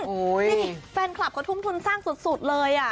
นี่แฟนคลับเขาทุ่มทุนสร้างสุดเลย